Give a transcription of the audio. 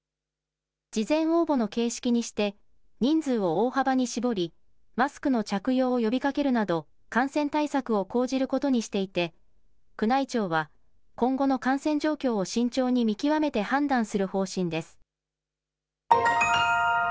事前応募の形式にして、人数を大幅に絞り、マスクの着用を呼びかけるなど、感染対策を講じることにしていて、宮内庁は今後の感染状況を慎重に見極めて判断する方針です。